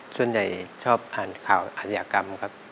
ส่วนใหญ่ชอบอ่านข่าวอาชญากรรมครับ